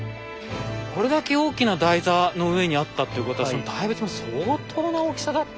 これだけ大きな台座の上にあったということはその大仏も相当な大きさだったでしょうね。